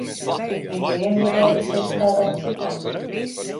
Viņa ir iemīlējusies kādā citā.